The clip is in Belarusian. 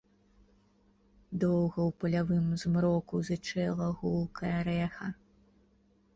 Доўга ў палявым змроку зычэла гулкае рэха.